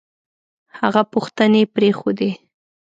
هغه پوښتنې پرېښودې